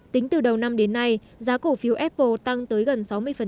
tính từ đầu năm đến nay giá cổ phiếu apple tăng tới gần sáu mươi